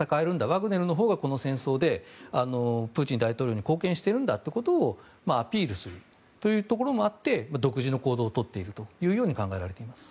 ワグネルのほうがこの戦争でプーチン大統領に貢献しているんだということをアピールするというところもあって独自の行動をとっていると考えられています。